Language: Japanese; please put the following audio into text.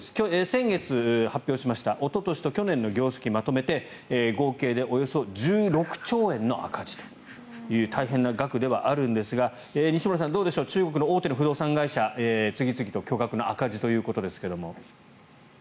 先月発表しましたおととしと去年の業績をまとめて合計でおよそ１６兆円の赤字という大変な額ではありますが西村さん、どうでしょう中国の大手の不動産会社、次々と巨額の赤字ということですが。